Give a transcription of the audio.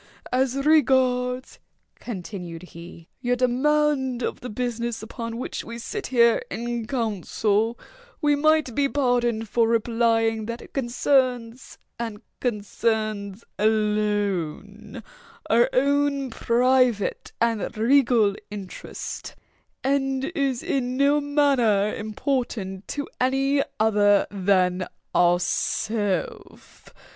"As regards," continued he, "your demand of the business upon which we sit here in council, we might be pardoned for replying that it concerns, and concerns alone, our own private and regal interest, and is in no manner important to any other than ourself.